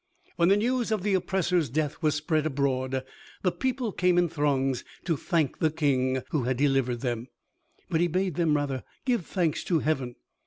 When the news of the oppressor's death was spread abroad, the people came in throngs to thank the King, who had delivered them; but he bade them rather give thanks to Heaven.